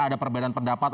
ada perbedaan pendapat